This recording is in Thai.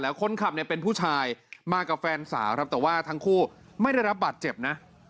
คนขับเนี่ยเป็นผู้ชายมากับแฟนสาวครับแต่ว่าทั้งคู่ไม่ได้รับบาดเจ็บนะ